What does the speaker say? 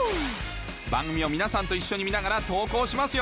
番組を皆さんと一緒に見ながら投稿しますよ！